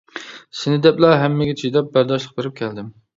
سېنى دەپلا ھەممىگە چىداپ، بەرداشلىق بېرىپ كەلدىم.